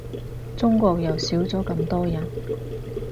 中國又少咗咁多人